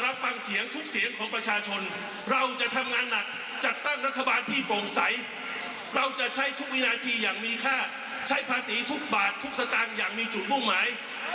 ขอเป็นนายกรัฐมนตรีคนที่สามสิบของประเทศไทย